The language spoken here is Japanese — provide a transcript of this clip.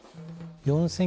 ４０００！